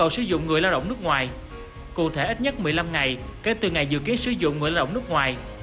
sử dụng người lao động nước ngoài cụ thể ít nhất một mươi năm ngày kể từ ngày dự kiến sử dụng người lao động nước ngoài